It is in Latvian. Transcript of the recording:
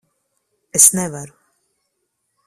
Es nevaru.